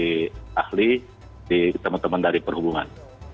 tim ahli teman teman dari perhubungan